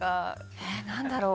えっ何だろう？